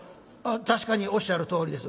「確かにおっしゃるとおりです」。